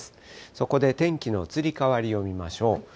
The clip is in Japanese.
そこで天気の移り変わりを見ましょう。